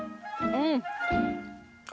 うん！